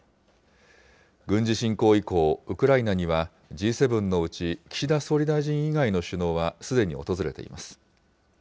軍事侵攻以降、ウクライナにはＧ７のうち岸田総理大臣以外の首脳は、すでに訪れています。